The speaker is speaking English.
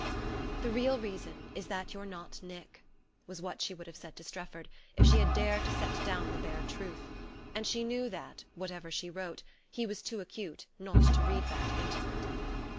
"The real reason is that you're not Nick" was what she would have said to Strefford if she had dared to set down the bare truth; and she knew that, whatever she wrote, he was too acute not to read that into it.